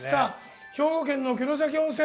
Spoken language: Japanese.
兵庫県の城崎温泉。